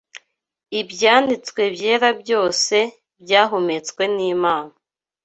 Ibyanditswe byera byose byahumetswe n’Imana